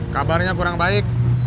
kabarnya kurang baik